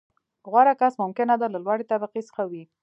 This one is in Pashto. • غوره کس ممکنه ده، له لوړې طبقې څخه وي.